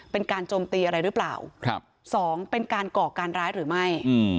เป็นการโจมตีอะไรหรือเปล่าสองเป็นการก่อการร้ายหรือไม่